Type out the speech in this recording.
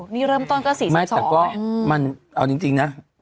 นี่เริ่มต้นก็สี่สิบสองไม่แต่ก็อืมมันเอาจริงจริงนะ